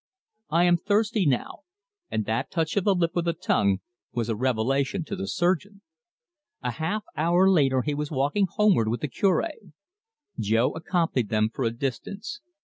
"I am thirsty now," and that touch of the lip with the tongue, were a revelation to the surgeon. A half hour later he was walking homeward with the Cure. Jo accompanied them for a distance.